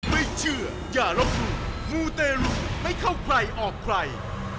ไม่เชื่ออย่าลบหลู่มูเตรุไม่เข้าใครออกใคร